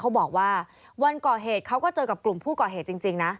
เขาบอกว่าวันก่อเหตุเขาก็เจอกับกลุ่มผู้ก่อเหตุจริงนะ